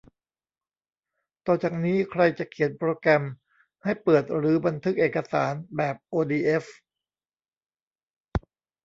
ต่อจากนี้ ใครจะเขียนโปรแกรมให้เปิดหรือบันทึกเอกสารแบบโอดีเอฟ